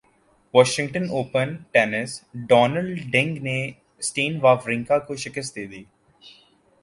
Washington Open tennis Donald Young نے Stan Wawrinka کو شکست دیدی